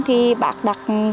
thì bác đặt